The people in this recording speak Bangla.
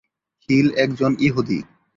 হিল একজন ইহুদি